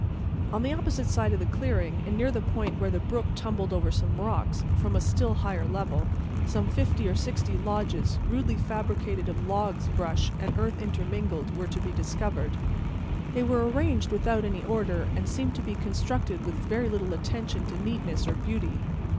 On the opposite side of the clearing, and near the point where the brook tumbled over some rocks, from a still higher level, some fifty or sixty lodges, rudely fabricated of logs brush, and earth intermingled, were to be discovered. They were arranged without any order, and seemed to be constructed with very little attention to neatness or beauty.